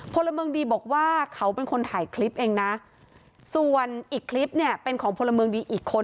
พลเมืองดีบอกว่าเขาเป็นคนถ่ายคลิปเองนะส่วนอีกคลิปเนี่ยเป็นของพลเมืองดีอีกคน